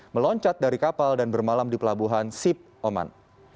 meloncat dari kapal dan bermalam di pelabuhan sip oman